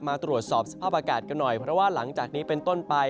มาตรวจสอบสภาพอากาศกันหน่อยเพราะว่าหลังจากนี้เป็นต้นไป